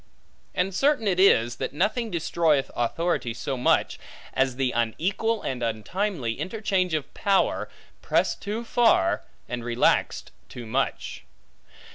And certain it is, that nothing destroyeth authority so much, as the unequal and untimely interchange of power pressed too far, and relaxed too much.